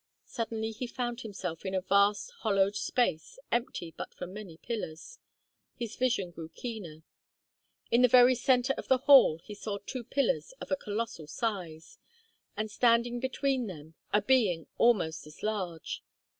Suddenly he found himself in a vast hollowed space, empty but for many pillars. His vision grew keener. In the very centre of the hall he saw two pillars of a colossal size, and standing between them a being almost as large.